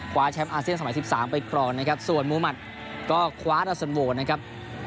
แชมป์อาเซียนสมัย๑๓ไปครองนะครับส่วนมุมัติก็คว้าดาสันโวนะครับ